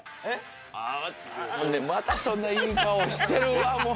またそんないい顔してるわもう。